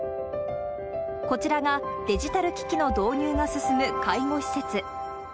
こちらが、デジタル機器の導入が進む介護施設。